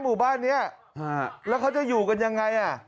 หมู่บ้านนี้แล้วเขาจะอยู่กันยังไง